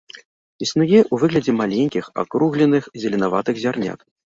Існуе ў выглядзе маленькіх, акругленых зеленаватых зярнят.